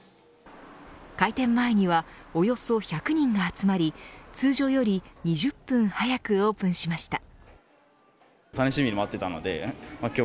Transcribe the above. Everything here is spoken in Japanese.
開店前にはおよそ１００人が集まり通常より２０分早くオープンしました。